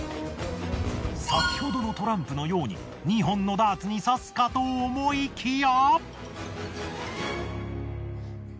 先ほどのトランプのように２本のダーツに刺すかと思いきや。